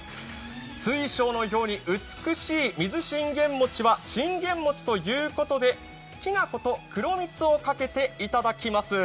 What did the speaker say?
水晶のように美しい水信玄餅は信玄餅ということで、きな粉と黒蜜をかけて頂きます。